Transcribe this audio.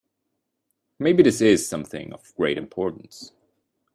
Maybe this is something of great importance.